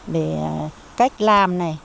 để cách làm này